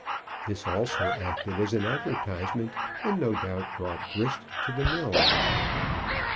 This also acted as an advertisement, and no doubt brought grist to the mill.